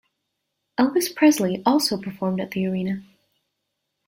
Elvis Presley also performed at the arena.